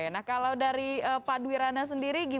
nah kalau dari pak duirana sendiri